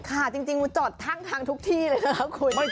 ค่ะจริงมันจอดทางทุกที่เลยนะครับคุณ